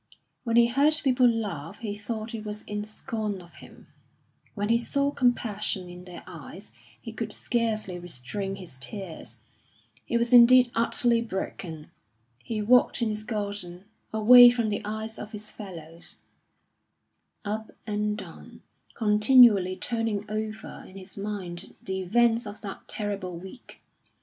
When he heard people laugh he thought it was in scorn of him; when he saw compassion in their eyes he could scarcely restrain his tears. He was indeed utterly broken. He walked in his garden, away from the eyes of his fellows, up and down, continually turning over in his mind the events of that terrible week.